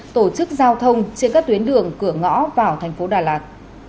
tổ chức giao thông trên các tuyến đường cửa ngõ vào thành phố đà lạt